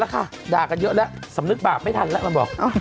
แล้วค่ะด่ากันเยอะแล้วสำนึกบาปไม่ทันแล้วมันบอก